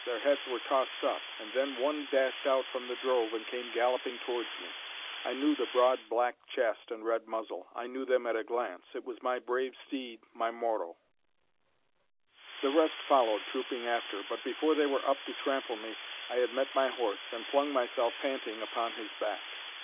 Their heads were tossed up, and then one dashed out from the drove and came galloping towards me. I knew the broad black chest and red muzzle. I knew them at a glance. It was my brave steed, my Moro! The rest followed, trooping after; but before they were up to trample me, I had met my horse, and flung myself, panting, upon his back!